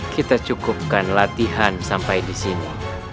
kita cukupkan latihan sampai di sini